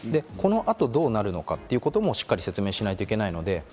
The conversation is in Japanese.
この後どうなるのか？ということもしっかり説明しなきゃいけないので。